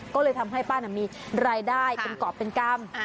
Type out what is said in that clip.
ก็เลยทำให้ป้ามีรายได้เป็นกรอบเป็นกรรม